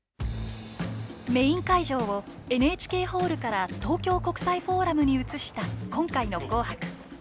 メイン会場をＮＨＫホールから東京国際フォーラムに移した今回の「紅白」。